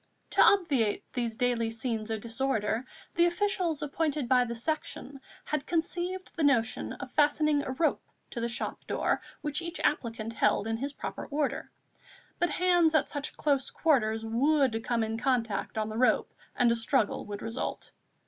To obviate these daily scenes of disorder, the officials appointed by the Section had conceived the notion of fastening a rope to the shop door which each applicant held in his proper order; but hands at such close quarters would come in contact on the rope and a struggle would result.